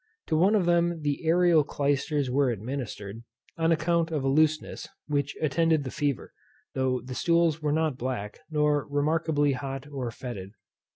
To one of them the aërial clysters were administred, on account of a looseness, which attended the fever, though the stools were not black, nor remarkably hot or foetid.